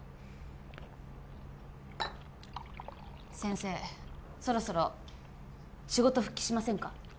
先生そろそろ仕事復帰しませんか